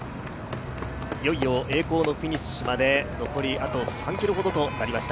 いよいよ栄光のフィニッシュまで残りあと３ｋｍほどとなりました。